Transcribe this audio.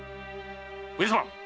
上様！